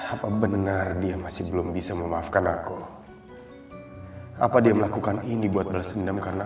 apa benar dia masih belum bisa memaafkan aku apa dia melakukan ini buat balas dendam karena